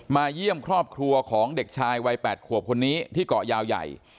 เยี่ยมครอบครัวของเด็กชายวัย๘ขวบคนนี้ที่เกาะยาวใหญ่